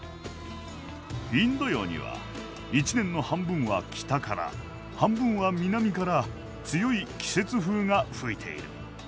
インド洋には１年の半分は北から半分は南から強い季節風が吹いている。